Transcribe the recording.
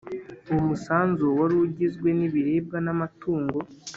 Uwo musanzu wari ugizwe n’ibiribwa n’amatungo.